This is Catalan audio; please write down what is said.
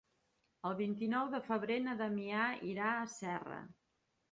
El vint-i-nou de febrer na Damià irà a Serra.